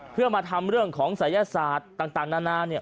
เพื่อมาทำเรื่องของศัยศาสตร์ต่างนานาเนี่ย